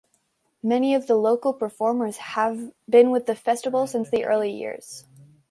Many of the local performers have been with the festival since the early years.